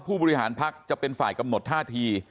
ผู้บริหารภักดิ์จะเป็นฝ่ายกำหนดท่าที